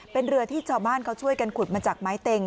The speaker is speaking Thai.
เป็นเรือที่ชาวบ้านเขาช่วยกันขุดมาจากไม้เต็ง